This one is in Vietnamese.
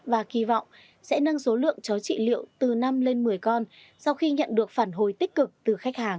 và kỳ vọng sẽ nâng số lượng chó trị liệu từ năm lên một mươi con sau khi nhận được phản hồi tích cực từ khách hàng